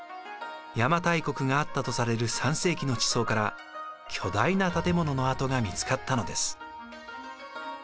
邪馬台国があったとされる３世紀の地層から巨大な建物の跡が見つかったのです。